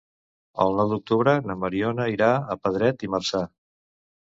El nou d'octubre na Mariona irà a Pedret i Marzà.